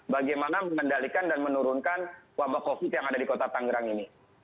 bagaimana mengendalikan dan menurunkan wabah covid yang ada di kota tangerang ini